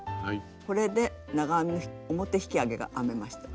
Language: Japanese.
これで長編み表引き上げが編めました。